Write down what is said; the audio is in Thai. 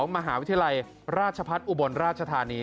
มหาวิทยาลัยราชพัฒน์อุบลราชธานี